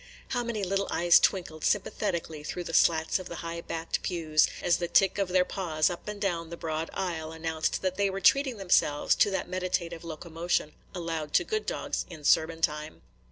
How many little eyes twinkled sympathetically through the slats of the high backed pews, as the tick of their paws up and down the broad aisle announced that they were treating themselves to that meditative locomotion allowed to good dogs in sermon time!